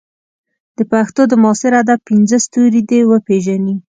د پښتو د معاصر ادب پنځه ستوري دې وپېژني.